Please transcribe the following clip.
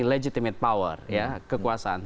legitimate power ya kekuasaan